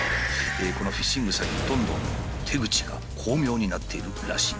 このフィッシング詐欺どんどん手口が巧妙になっているらしいんです。